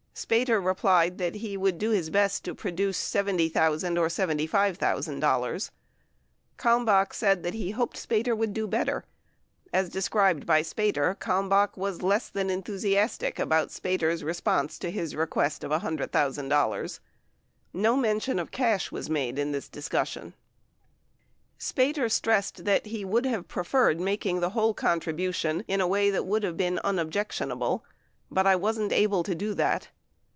8 Spater replied that he would do his best to produce $70,000 or $75,000. Kalm bach said that he hoped Spater would do better; as described by Spater, Kalmbach was less than enthusiastic about Spater's response to his request of $100,000. No mention of cash was made in this discussion. 9 Spater stressed that he would have preferred making the whole contribution in a way that would have been unobjectionable but "I wasn't able to do it."